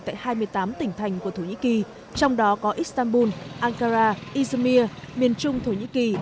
tại hai mươi tám tỉnh thành của thổ nhĩ kỳ trong đó có istanbul ankara isumir miền trung thổ nhĩ kỳ